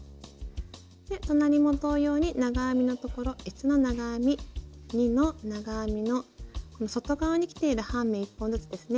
隣も同様に長編みのところ１の長編み２の長編みの外側にきている半目１本ずつですね